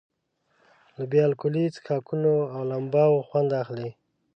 له بې الکولي څښاکونو او لمباوو خوند اخلي.